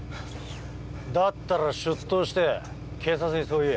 だったら出頭して警察にそう言え。